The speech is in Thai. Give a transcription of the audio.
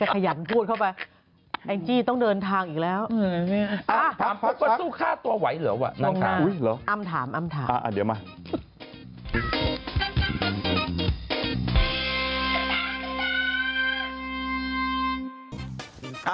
คนพูดในออนไลน์น่ากลัวกว่าฉันอีก